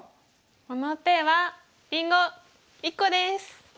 この手はりんご１個です！